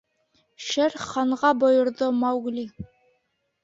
— Шер Ханға бойорҙо Маугли.